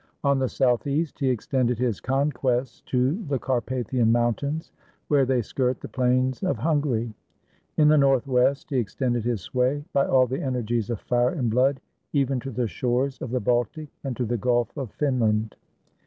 On the southeast he extended his conquests to the Carpathian Mountains, where they skirt the plains of Hungary. In the north west he extended his sway, by all the energies of fire and blood, even to the shores of the Baltic and to the Gulf of Finland.